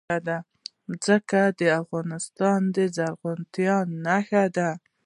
ځمکه د افغانستان د زرغونتیا نښه ده.